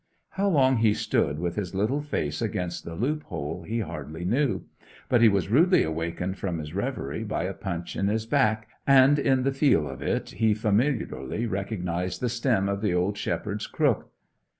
How long he stood with his little face against the loophole he hardly knew; but he was rudely awakened from his reverie by a punch in his back, and in the feel of it he familiarly recognized the stem of the old shepherd's crook.